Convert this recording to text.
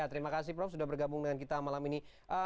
terima kasih prof sudah bergabung dengan kita malam ini